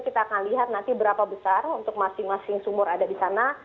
jadi dari situ kita lihat nanti berapa besar masing masing sumur yang ada di sana